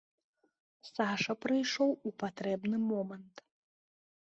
Саша прыйшоў у патрэбны момант.